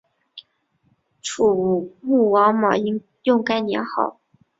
楚武穆王马殷用该年号。